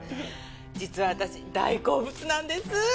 実は私大好物なんです！